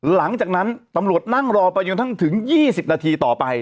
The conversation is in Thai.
หลังจากนั้นตำรวจนั่งรอไปจนกระทั่งถึง๒๐นาทีต่อไป